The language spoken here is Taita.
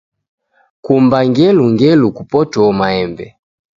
Kumba ngulengule kupotoo maembe